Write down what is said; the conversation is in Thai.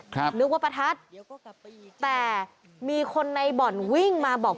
นึกว่าประทัดแต่มีคนในบ่อนวิ่งมาบอก